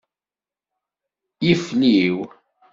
Yifliw.